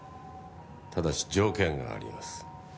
ただし条件があります。